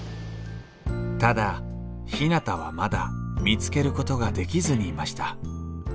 ただひなたはまだ見つけることができずにいました。